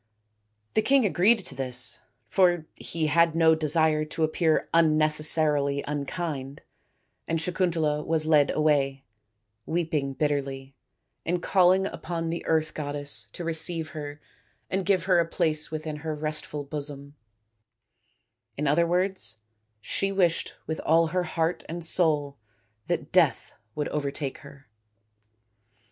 The king agreed to this, for he had no desire to appear unnecessarily unkind, and Sakuntala was led away, weeping bitterly, and calling upon the earth goddess to receive her and give her a place within her restful bosom in other words, she wished with all her heart and soul that death would overtake her.